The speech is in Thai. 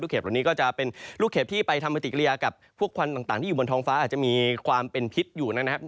เหล่านี้ก็จะเป็นลูกเห็บที่ไปทำปฏิกิริยากับพวกควันต่างที่อยู่บนท้องฟ้าอาจจะมีความเป็นพิษอยู่นะครับ